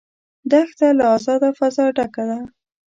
دښته له آزاده فضا ډکه ده.